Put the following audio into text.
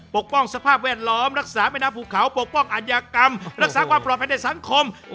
ปกป้องสภาพแวดล้อมรักษาแม่น้ำภูเขาปกป้องอัธยากรรมรักษาความปลอดภัยในสังคม